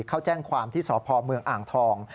เขาแจ้งความที่สพเมืองอ่างทอง